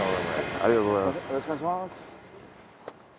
ありがとうございます。